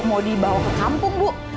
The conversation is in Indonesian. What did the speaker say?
mau dibawa ke kampung bu